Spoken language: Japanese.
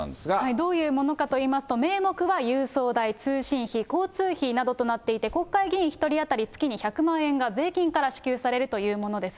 どういうものかといいますと、名目は郵送代、通信費、交通費などとなっていて、国会議員１人当たり月に１００万円が税金から支給されるというものです。